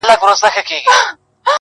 د کرنې موسمونه څلور دي.